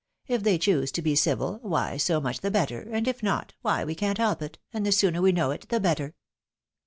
If they choose to be civil, why so mucli the better, and if not, why we can't help it, and the sooner we know it, the better."